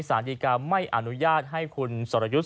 สาธารณิกาไม่อนุญาตให้คุณสโรยุธ